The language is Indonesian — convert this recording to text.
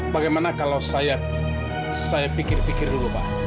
bagaimana kalau saya pikir pikir dulu pak